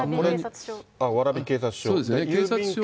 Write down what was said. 蕨警察署。